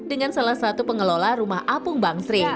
dengan salah satu pengelola rumah apung bangsri